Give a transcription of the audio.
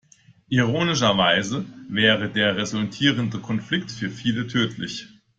Ironischerweise wäre der resultierende Konflikt für viele tödlich.